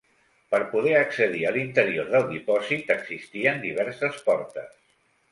Per poder accedir a l'interior del dipòsit existien diverses portes.